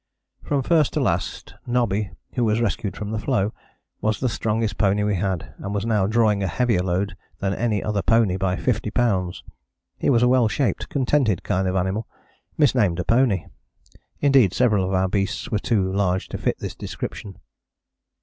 " From first to last Nobby, who was rescued from the floe, was the strongest pony we had, and was now drawing a heavier load than any other pony by 50 lbs. He was a well shaped, contented kind of animal, misnamed a pony. Indeed several of our beasts were too large to fit this description.